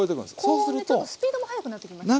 高音でちょっとスピードも速くなってきましたね。